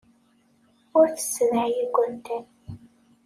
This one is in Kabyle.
Ur tessedhay igerdan.